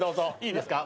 いいですか？